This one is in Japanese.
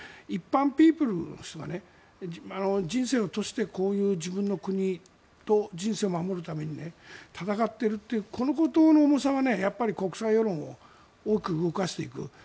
一般ピープルの人が人生を賭してこういう自分の国と人生を守るために戦っているというこのことの重さは国際世論を多く動かしていく。